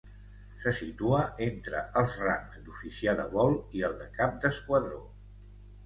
Se situa entre els rangs d'Oficial de Vol i el de Cap d'Esquadró.